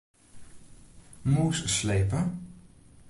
Mûs slepe.